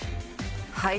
はい。